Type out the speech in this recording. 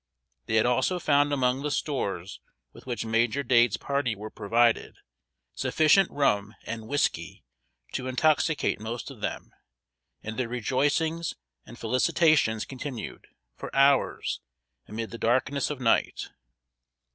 They had also found among the stores with which Major Dade's party were provided, sufficient rum and whisky to intoxicate most of them, and their rejoicings and felicitations continued, for hours, amid the darkness of night.